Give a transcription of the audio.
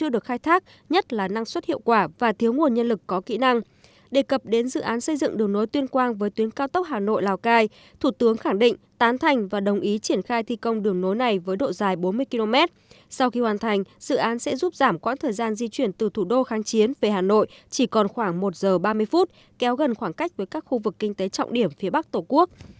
dự án sẽ giúp giảm quãng thời gian di chuyển từ thủ đô kháng chiến về hà nội chỉ còn khoảng một giờ ba mươi phút kéo gần khoảng cách với các khu vực kinh tế trọng điểm phía bắc tổ quốc